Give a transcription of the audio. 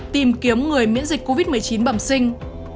tìm kiếm người miễn dịch covid một mươi chín bẩm sinh